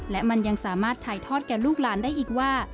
และมันยังสามารถถ่ายทอดแก่ลูกหลานได้อีกว่า